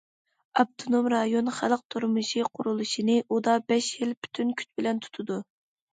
ئاپتونوم رايون خەلق تۇرمۇشى قۇرۇلۇشىنى ئۇدا بەش يىل پۈتۈن كۈچ بىلەن تۇتىدۇ.